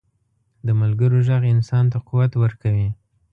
د ملګرو ږغ انسان ته قوت ورکوي.